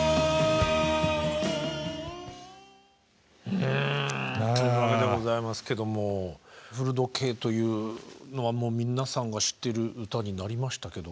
うんというわけでございますけども「古時計」というのはもう皆さんが知ってる歌になりましたけど。